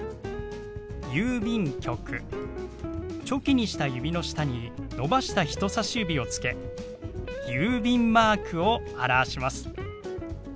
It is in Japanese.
チョキにした指の下に伸ばした人さし指をつけ「郵便マーク」を表します。